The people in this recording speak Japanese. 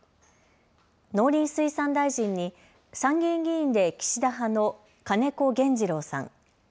農林水産大臣に参議院議員で岸田派の金子原二郎さん。